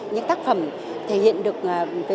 những tác phẩm thể hiện được về